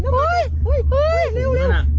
เร็ว